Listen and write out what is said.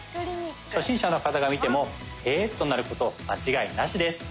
初心者の方が見てもへぇとなること間違いなしです。